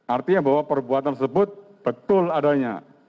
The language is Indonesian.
artinya bahwa perbuatan tersebut betul adanya